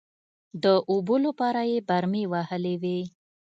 د اوبو لپاره يې برمې وهلې وې.